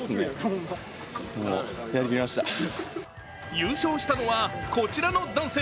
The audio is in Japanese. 優勝したのはこちらの男性。